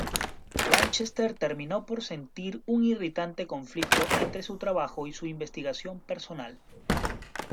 Lanchester terminó por sentir un irritante conflicto entre su trabajo y su investigación personal.